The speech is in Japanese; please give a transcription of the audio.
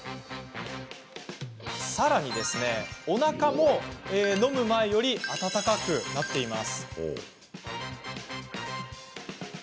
さらに、おなかも飲む前より温かくなっています。